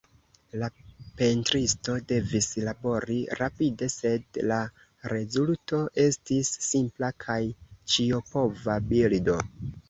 La pentristo devis labori rapide, sed la rezulto estis simpla kaj ĉiopova bildo.